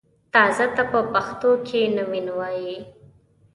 تازه ته په پښتو کښې نوين وايي